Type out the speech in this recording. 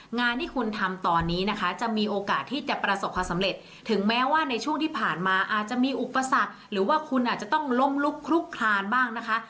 งานที่คุณทำตอนนี้นะคะจะมีโอกาสที่จะประสบความสำเร็จถึงแม้ว่าในช่วงที่ผ่านมาอาจจะมีอุปสรรคหรือว่าคุณอาจจะต้องล้มลุกคลุกคลานบ้างนะคะ